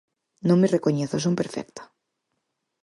Non me recoñezo, son perfecta.